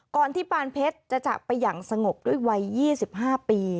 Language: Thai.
ที่ปานเพชรจะจากไปอย่างสงบด้วยวัย๒๕ปี